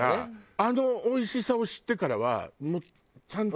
あのおいしさを知ってからはもうちゃんと。